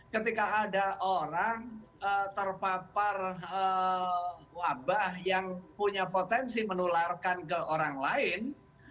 ketika ada orang terpapar wabah yang punya potensi menularkan ke orang lain